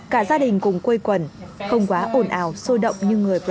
cả gia đình cùng quây quẩn không quá ổn ảo sôi động như người brazil